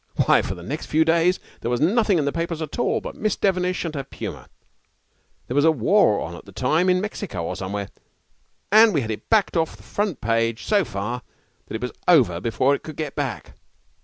Why, for the next few days there was nothing in the papers at all but Miss Devenish and her puma. There was a war on at the time in Mexico or somewhere, and we had it backed off the front page so far that it was over before it could get back.